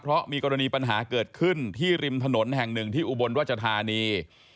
เพราะมีกรณีปัญหาเกิดขึ้นที่ริมถนนแห่งหนึ่งที่อุบลราชธานี